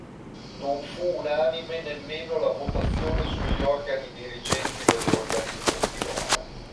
Non fu unanime nemmeno la votazione sugli organi dirigenti dell'organizzazione.